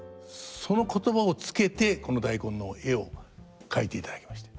その言葉をつけてこの大根の絵を描いていただきました。